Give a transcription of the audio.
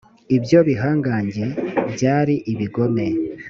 ibyo bihangange byari ibigome